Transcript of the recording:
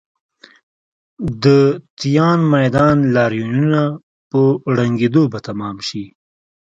د تیان میدان لاریونونه په ړنګېدو به تمام شي.